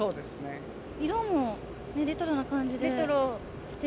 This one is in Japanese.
色もレトロな感じですてき。